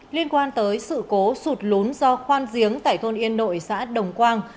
liên quan tới sự cố sụt lún do khoan giếng tại thôn yên nội xã đồng quang